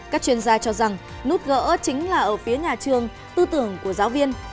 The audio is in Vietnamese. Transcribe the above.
các chuyên gia cho rằng nút gỡ chính là ở phía nhà trường tư tưởng của giáo viên